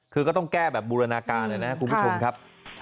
คือก็ต้องแก้แบบบูรณาการเลยนะครับ